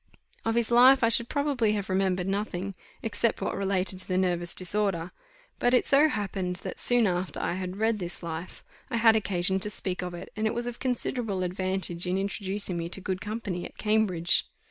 Of his life I should probably have remembered nothing, except what related to the nervous disorder; but it so happened, that, soon after I had read this life, I had occasion to speak of it, and it was of considerable advantage in introducing me to good company at Cambridge.